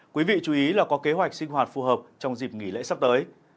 quý vị chú ý là có kế hoạch sinh hoạt phù hợp trong dịp nghỉ lễ sắp tới